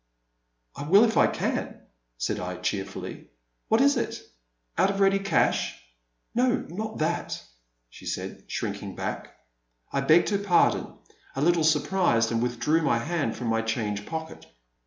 '* I will if I can,'* said I, cheerfully ;what is it? Out of ready cash? No, not that,*' she said, shrinking back. I begged her pardon, a little surprised, and withdrew my hand from my change pocket.